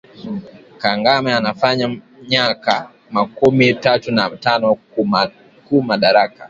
Kangame anafanya myaka makumi tatu na tano ku madaraka